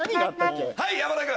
はい山田君。